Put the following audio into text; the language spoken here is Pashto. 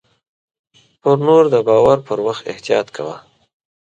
پر نور د باور پر وخت احتياط کوه .